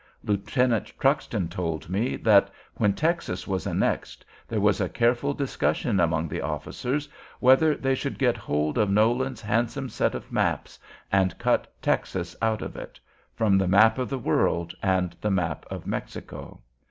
Lieutenant Truxton told me that, when Texas was annexed, there was a careful discussion among the officers, whether they should get hold of Nolan's handsome set of maps and cut Texas out of it, from the map of the world and the map of Mexico.